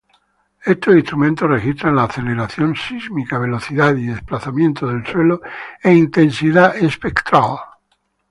Estos instrumentos registran la aceleración sísmica, velocidad y desplazamiento del suelo e intensidad espectral.